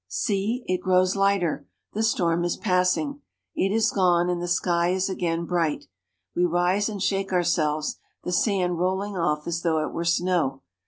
See, it grows lighter ! The storm is passing. It is gone, and the sky is again bright. We rise and shake ourselves, the sand rolling off as though it were snow.